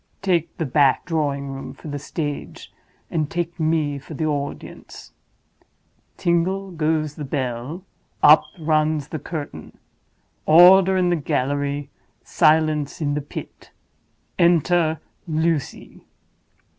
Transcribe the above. Take the back drawing room for the stage, and take me for the audience. Tingle goes the bell; up runs the curtain; order in the gallery, silence in the pit—enter Lucy!"